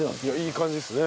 いい感じですね。